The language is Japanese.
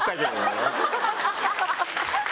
ハハハハ！